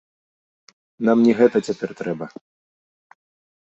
Нам не гэта цяпер трэба.